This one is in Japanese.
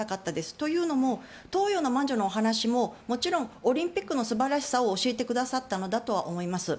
というのも、東洋の魔女のお話ももちろんオリンピックの素晴らしさを教えてくださったのだと思います。